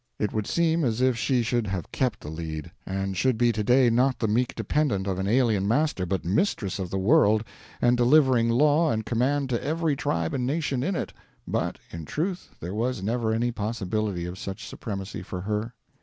It would seem as if she should have kept the lead, and should be to day not the meek dependent of an alien master, but mistress of the world, and delivering law and command to every tribe and nation in it. But, in truth, there was never any possibility of such supremacy for her.